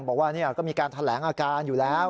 บอกว่าก็มีการแถลงอาการอยู่แล้ว